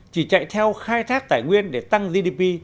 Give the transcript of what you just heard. chỉ chạy theo khai thác tài nguyên để tăng gdp